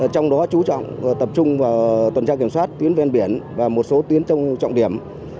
trong đó chú trọng tập trung vào tuần tra kiểm soát tuyến ven biển và một số tuyến trong trọng điểm